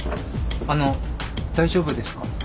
あの大丈夫ですか？